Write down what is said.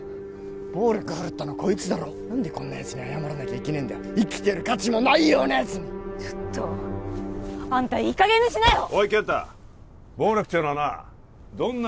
暴力振るったのはこいつだろ何でこんなやつに謝らなきゃいけねえんだよ生きてる価値もないようなやつにちょっとあんたいいかげんにしなよおい健太暴力っていうのはな